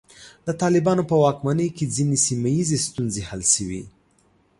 د طالبانو په واکمنۍ کې ځینې سیمه ییزې ستونزې حل شوې.